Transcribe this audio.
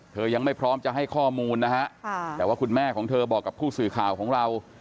ยังไม่พร้อมจะให้ข้อมูลนะฮะแต่ว่าคุณแม่ของเธอบอกกับผู้สื่อข่าวของเรา